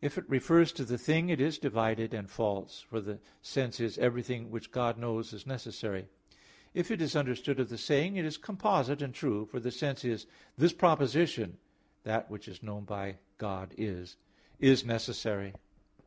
If it refers to the thing, it is divided and false; for the sense is, "Everything which God knows is necessary." If understood of the saying, it is composite and true; for the sense is, "This proposition, 'that which is known by God is' is necessary."